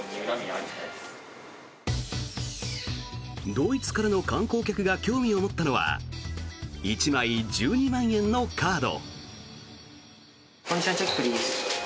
ドイツからの観光客が興味を持ったのは１枚１２万円のカード。